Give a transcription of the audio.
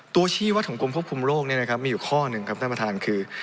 ตัวชีวัตรของกรมควบคุมโรคเนี่ยนะครับมีอยู่ข้อหนึ่งครับท่านประธานคือ